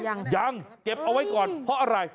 ยังยังเก็บเอาไว้ก่อนเพราะอะไร